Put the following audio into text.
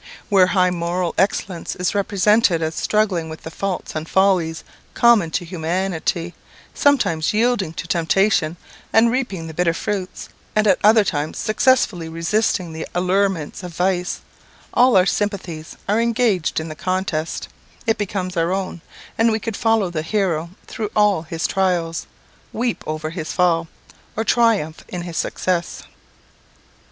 Where high moral excellence is represented as struggling with the faults and follies common to humanity, sometimes yielding to temptation, and reaping the bitter fruits, and at other times successfully resisting the allurements of vice, all our sympathies are engaged in the contest; it becomes our own, and we follow the hero through all his trials, weep over his fall, or triumph in his success.